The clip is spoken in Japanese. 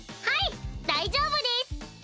はい大丈夫です。